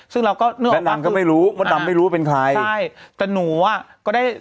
ซึ่งเราก็มดดำก็ไม่รู้มดดำไม่รู้ว่าเป็นใครใช่แต่หนูอ่ะก็ได้